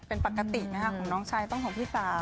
เป็นปกตินะคะของน้องชายต้องของพี่สาว